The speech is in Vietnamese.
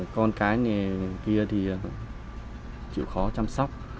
con cái này kia thì chịu khó chăm sóc